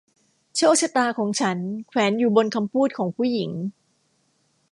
โชคชะตาของฉันแขวนอยู่บนคำพูดของผู้หญิง